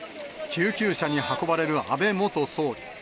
救急車に運ばれる安倍元総理。